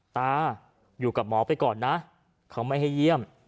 ตาอยู่กับหมอไปก่อนนะเขาไม่ให้เยี่ยม